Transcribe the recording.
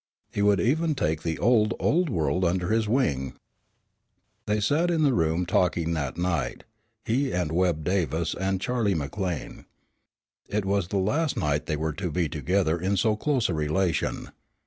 He would even take the old, old world under his wing. They sat in the room talking that night, he and Webb Davis and Charlie McLean. It was the last night they were to be together in so close a relation.